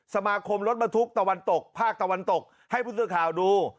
สมาคมรถบรรทุกตะวันตกภาคตะวันตกให้ผู้สื่อข่าวดู